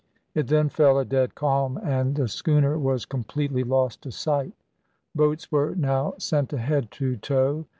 It then fell a dead calm, and the schooner was completely lost to sight. Boats were now sent ahead to tow.